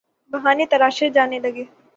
بہانے تراشے جانے لگے۔